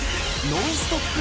ノンストップ！